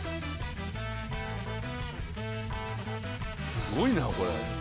すごいな、これ。